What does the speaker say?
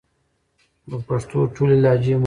د پښتو ټولې لهجې مهمې دي